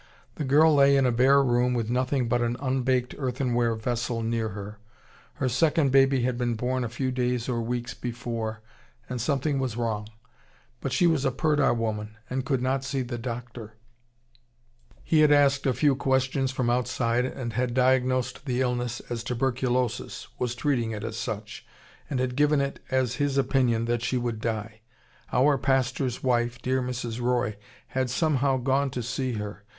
The girl lay in a bare room with nothing but an unbaked earthenware vessel near her. Her second baby had been born a few days or weeks before and something was wrong.... But she was a purdah woman and could not see the doctor. He had asked a few questions from outside and had diagnosed the illness as tuberculosis, was treating it as such, and had given it as his opinion that she would die. Our pastor's wife, dear Mrs. Roy, had somehow gone to see her.